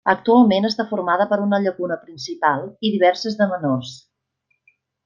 Actualment està formada per una llacuna principal i diverses de menors.